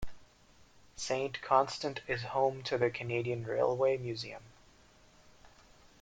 Saint-Constant is home to the Canadian Railway Museum.